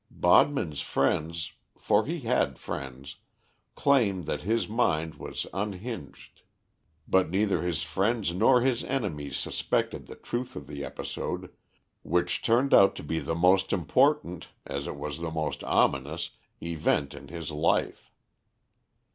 Bodman's friends for he had friends claim that his mind was unhinged; but neither his friends nor his enemies suspected the truth of the episode, which turned out to be the most important, as it was the most ominous, event in his life.